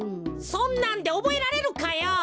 そんなんでおぼえられるかよ。